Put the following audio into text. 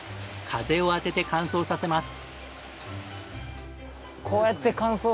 風を当てて乾燥させます。